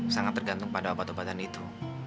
sangat tergantung pada obat obatan itu